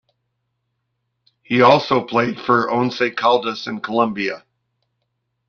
He also played for Once Caldas in Colombia.